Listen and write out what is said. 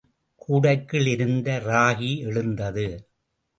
கூடைக்குள் இருந்த ராகி எழுந்தது.